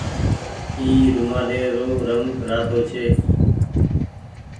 اي رومآلي رو رنگ رآتو ڇي۔